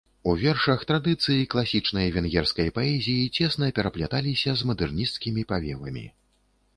У вершах традыцыі класічнай венгерскай паэзіі цесна перапляталіся з мадэрнісцкімі павевамі.